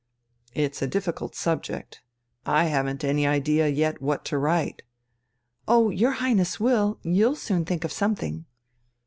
"It's a difficult subject. I haven't any idea yet what to write." "Oh, your Highness will.... You'll soon think of something!"